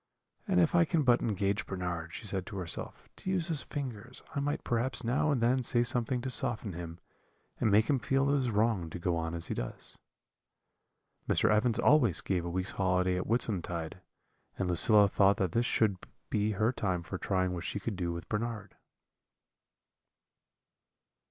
'And if I can but engage Bernard,' she said to herself, 'to use his fingers, I might perhaps now and then say something to soften him, and make him feel it is wrong to go on as he does.' "Mr. Evans always gave a week's holiday at Whitsuntide, and Lucilla thought that this should be her time for trying what she could do with Bernard."